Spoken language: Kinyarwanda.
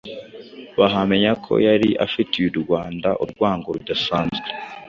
bahamya ko yari afitiye u Rwanda urwango rudasanzwe.